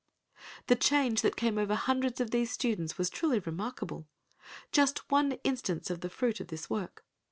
The change that came over hundreds of these students was truly remarkable. Just one instance of the fruit of this work.